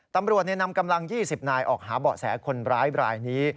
ตำรวจนำกำลัง๒๐นายออกหาเบาะแสคนร้ายบรายนี้